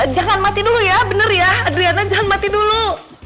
jangan mati dulu ya bener ya adriana jangan mati dulu